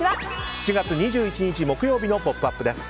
７月２１日木曜日の「ポップＵＰ！」です。